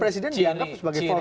presiden dianggap sebagai falsehood